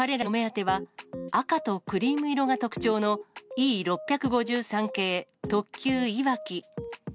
彼らのお目当ては、赤とクリーム色が特徴の、Ｅ６５３系特急いわき。